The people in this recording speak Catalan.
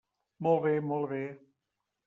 Molt bé, molt bé.